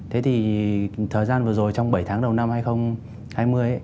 thế thì thời gian vừa rồi trong bảy tháng đầu năm hai nghìn hai mươi